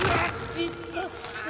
じっとして。